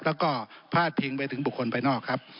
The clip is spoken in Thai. แล้วก็พาดพิงไปถึงบุคคลภายนอกครับ